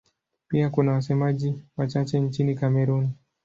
Pia kuna wasemaji wachache nchini Kamerun.